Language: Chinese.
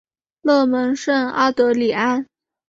勒蒙圣阿德里安。